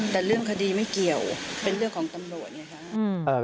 แต่เรื่องคดีไม่เกี่ยวเป็นเรื่องของตำรวจไงคะ